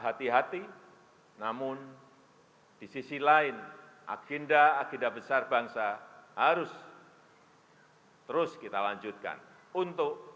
hati hati namun di sisi lain agenda agenda besar bangsa harus terus kita lanjutkan untuk